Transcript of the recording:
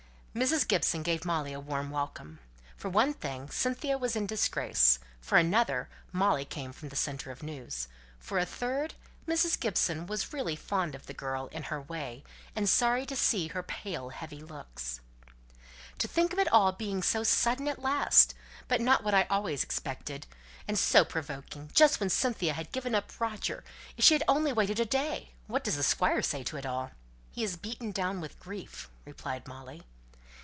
Mrs. Gibson gave Molly a warm welcome. For one thing, Cynthia was in disgrace; for another, Molly came from the centre of news; for a third, Mrs. Gibson was really fond of the girl, in her way, and sorry to see her pale heavy looks. "To think of it all being so sudden at last! Not but what I always expected it! And so provoking! Just when Cynthia had given up Roger! If she had only waited a day! What does the Squire say to it all?" "He is beaten down with grief," replied Molly.